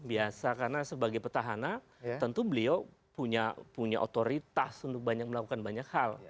biasa karena sebagai petahana tentu beliau punya otoritas untuk banyak melakukan banyak hal